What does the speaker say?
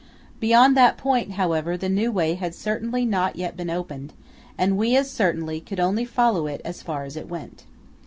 Beyond that point, however, the new way had certainly not yet been opened, and we, as certainly, could only follow it as far as it went.